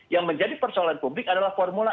yang menjadi persoalan publik adalah formula e